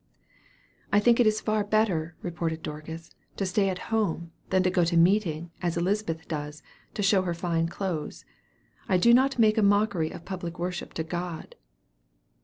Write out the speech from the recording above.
"I think it is far better," retorted Dorcas, "to stay at home, than to go to meeting, as Elizabeth does, to show her fine clothes. I do not make a mockery of public worship to God."